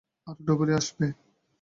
আরো ডুবুরি আসবে।